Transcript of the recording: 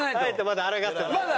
まだ？